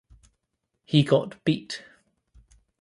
He got beat.